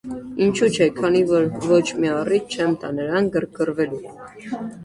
- Ինչո՞ւ չէ, քանի որ ոչ մի առիթ չեմ տա նրան գրգռվելու: